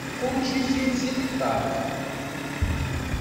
Tquǧǧ-it-id seg ṭṭaq.